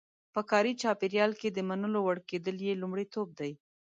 په کاري چاپېریال کې د منلو وړ کېدل یې لومړیتوب دی.